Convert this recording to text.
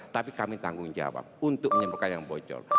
tapi kami tanggung jawab untuk menyembuhkan yang bocor